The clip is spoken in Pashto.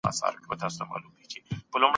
دوی خوشحاله ساتئ.